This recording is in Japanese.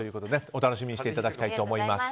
お楽しみにしていただきたいと思います。